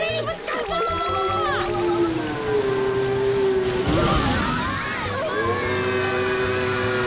うわ！